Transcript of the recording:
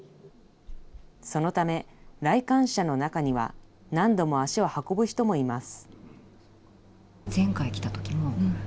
そのため、来館者の中には、何度も足を運ぶ人もいます。